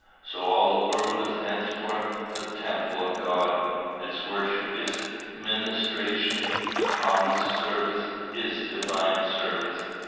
So all the world is henceforth the temple of God; its worship is ministration; the commonest service is divine service.